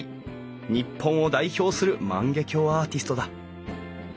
日本を代表する万華鏡アーティストだ。